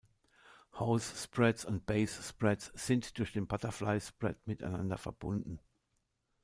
Hausse-Spreads und Baisse-Spreads sind durch den Butterfly spread miteinander verbunden.